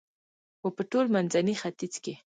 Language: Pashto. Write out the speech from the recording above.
و په ټول منځني ختیځ کې